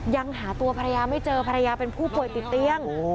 ยังหาตัวภรรยาไม่เจอภรรยาเป็นผู้ป่วยติดเตียง